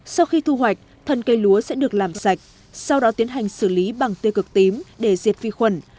sau khi thu hoạch thần cây lúa sẽ được làm sạch sau đó tiến hành xử lý bằng tiêu cực tím để diệt vi khuẩn